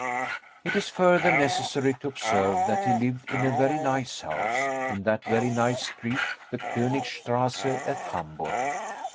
It is further necessary to observe that he lived in a very nice house, in that very nice street, the Konigstrasse at Hamburg.